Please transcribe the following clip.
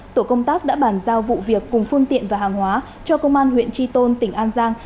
tổ công tác đã bàn giao vụ việc cùng phương tiện và hàng hóa cho công an huyện triton tỉnh an giang